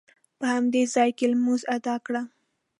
په همدې ځاې کې لمونځ ادا کړ.